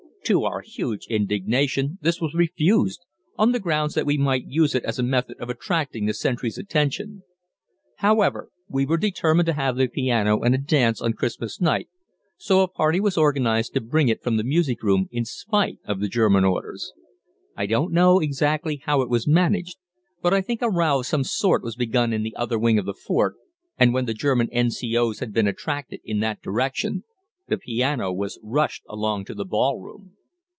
To our huge indignation this was refused, on the grounds that we might use it as a method of attracting the sentries' attention. However, we were determined to have the piano and a dance on Christmas night, so a party was organized to bring it from the music room in spite of the German orders. I don't know exactly how it was managed, but I think a row of some sort was begun in the other wing of the fort and, when the German N.C.O.'s had been attracted in that direction, the piano was "rushed" along to the "ballroom."